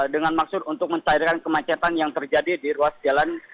dengan maksud untuk mencairkan kemacetan yang terjadi di ruas jalan